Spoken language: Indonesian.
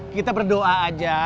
kita berdoa aja